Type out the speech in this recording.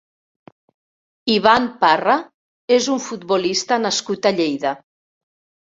Ibán Parra és un futbolista nascut a Lleida.